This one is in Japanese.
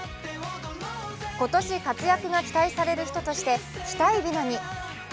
今年、活躍が期待される人として期待びなに。